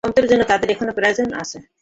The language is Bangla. তন্ত্রের জন্য তাদের এখনও তোকে প্রয়োজন।